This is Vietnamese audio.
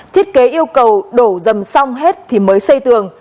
thiết kế yêu cầu đổ dầm xong hết thì mới xây tường